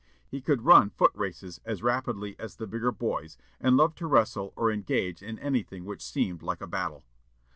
He could run foot races as rapidly as the bigger boys, and loved to wrestle or engage in anything which seemed like a battle.